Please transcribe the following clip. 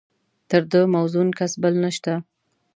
تر ده موزون کس بل نشته.